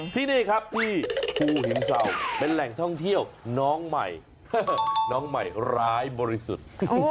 ที่นี่ครับที่ภูหินเศร้าเป็นแหล่งท่องเที่ยวน้องใหม่น้องใหม่ร้ายบริสุทธิ์